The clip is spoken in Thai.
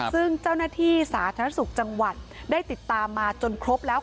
ซึ่งเจ้าหน้าที่สาธารณสุขจังหวัดได้ติดตามมาจนครบแล้ว